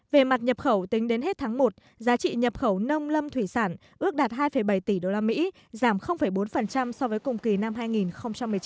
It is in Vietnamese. về mặt nhập khẩu tính đến hết tháng một giá trị nhập khẩu nông lâm thủy sản ước đạt hai bảy tỷ usd giảm bốn so với cùng kỳ năm hai nghìn một mươi chín